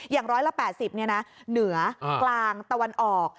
อย่างร้อยละแปดสิบเนี่ยนะเหนือกลางตะวันออก